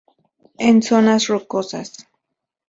En zonas rocosas.